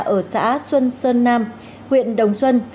ở xã xuân sơn nam huyện đồng xuân